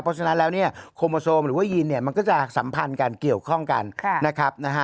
เพราะฉะนั้นแล้วเนี่ยโคโมโซมหรือว่ายีนเนี่ยมันก็จะสัมพันธ์กันเกี่ยวข้องกันนะครับ